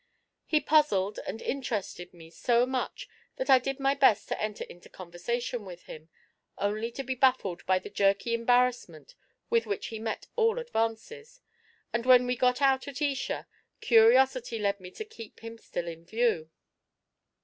He puzzled and interested me so much that I did my best to enter into conversation with him, only to be baffled by the jerky embarrassment with which he met all advances, and when we got out at Esher, curiosity led me to keep him still in view.